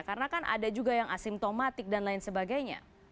karena kan ada juga yang asimptomatik dan lain sebagainya